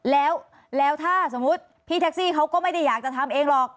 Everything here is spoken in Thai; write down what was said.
แล้วถ้าสมมุติพี่แท็กซี่เขาก็ไม่ได้อยากจะทำเองหรอก